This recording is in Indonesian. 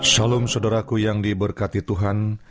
shalom saudaraku yang diberkati tuhan